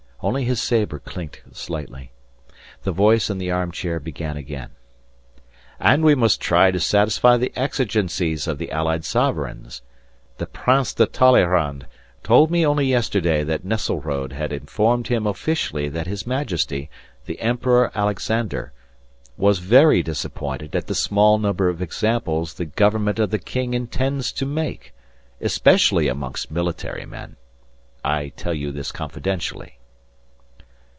Only his sabre clinked slightly. The voice in the armchair began again. "And we must try to satisfy the exigencies of the allied sovereigns. The Prince de Talleyrand told me only yesterday that Nesselrode had informed him officially that his Majesty, the Emperor Alexander, was very disappointed at the small number of examples the government of the king intends to make especially amongst military men. I tell you this confidentially."